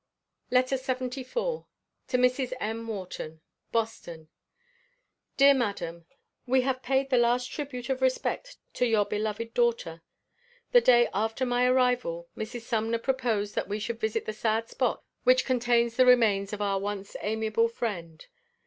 LETTER LXXIV. TO MRS. M. WHARTON. BOSTON. Dear madam: We have paid the last tribute of respect to your beloved daughter. The day after my arrival, Mrs. Sumner proposed that we should visit the sad spot which contains the remains of our once amiable friend.